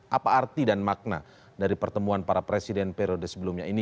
apa arti dan makna dari pertemuan para presiden periode sebelumnya ini